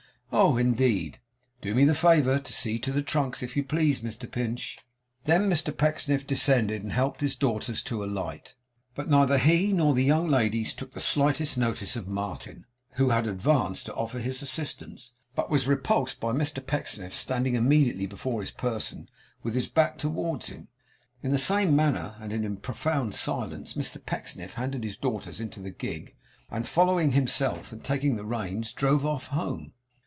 'Oh! Indeed. Do me the favour to see to the trunks, if you please, Mr Pinch.' Then Mr Pecksniff descended, and helped his daughters to alight; but neither he nor the young ladies took the slightest notice of Martin, who had advanced to offer his assistance, but was repulsed by Mr Pecksniff's standing immediately before his person, with his back towards him. In the same manner, and in profound silence, Mr Pecksniff handed his daughters into the gig; and following himself and taking the reins, drove off home.